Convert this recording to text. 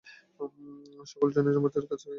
সকল জৈন সম্প্রদায়ের কাছেই এই গ্রন্থটি প্রামাণ্য।